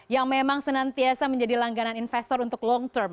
yang memang senantiasa menjadi langganan investor untuk long term